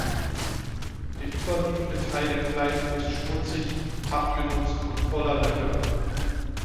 Der überwiegende Teil der Kleidung ist schmutzig, abgenutzt und voller Löcher.